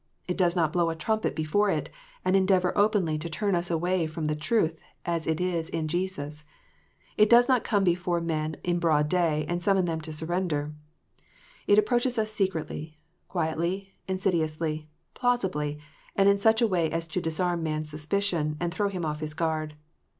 It does not blow a trumpet before it, and endeavour openly to turn us away from the truth as it is in Jesus. It does not come before men in broad day, and summon them to surrender. It approaches us secretly, quietly, insidiously, plausibly, and in such a way as to disarm man s suspicion, and throw him off his guard.